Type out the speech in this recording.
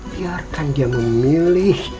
biarkan dia memilih